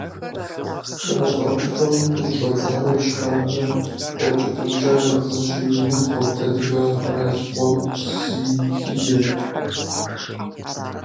Хы Фӏыцӏэ ӏуфэм къыщыщӏэдзауэ ищхъэрэмрэ къуэкӏыпӏэмкӏэ зыщызиубгъурт адыгэ къэралыгъуэу Зихием.